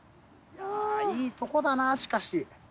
いいとこだなしかし。